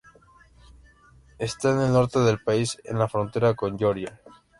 Está en el norte del país, en la frontera con Georgia.